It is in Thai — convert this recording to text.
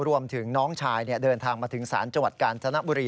รวมถึงน้องชายเดินทางมาถึงศาลจังหวัดกาญจนบุรี